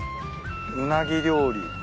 「うなぎ料理」